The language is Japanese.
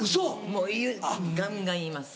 もうガンガン言います。